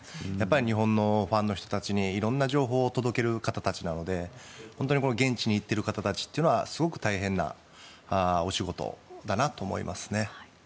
日本のファンの人たちにいろんな情報を届ける方たちなので現地に行っている方たちはすごく大変なお仕事だなと思います。